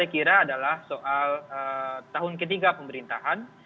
yang ketiga adalah soal tahun ketiga pemerintahan